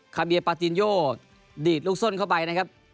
คาเบียปาตินโยดีดลูกส้นเข้าไปนะครับ